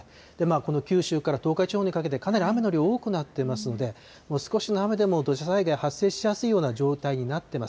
この九州から東海地方にかけて、かなり雨の量、多くなっていますので、少しの雨でも土砂災害発生しやすいような状態になっていま